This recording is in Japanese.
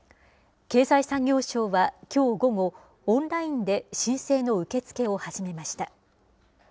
経済産業省はきょう午後、オンラインで申請の受け付けを始めました。